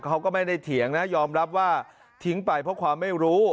เขาก็ไม่ได้เถียงนะยอมรับว่าทิ้งไปเพราะความไม่รู้